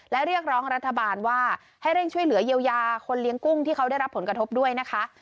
และเรียกร้องรัฐบาลว่าให้เร่งช่วยเหลือเยียวยาคนเลี้ยงกุ้งที่เขาได้รับผลกระทบด้วยนะคะ